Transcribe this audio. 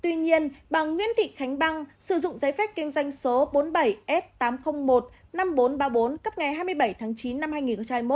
tuy nhiên bà nguyễn thị khánh băng sử dụng giấy phép kinh doanh số bốn mươi bảy f tám trăm linh một năm nghìn bốn trăm ba mươi bốn cấp ngày hai mươi bảy tháng chín năm hai nghìn hai mươi một